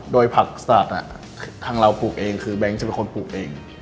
โดยผักสัตว์ทางเราปลูกเองคือแบงค์จะเป็นคนปลูกเอง